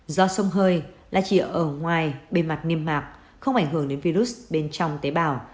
do sông hơi là chỉ ở ngoài bề mặt nghiêm mạc không ảnh hưởng đến virus bên trong tế bào